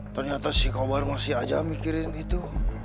ternyata si korban masih aja mikirin itu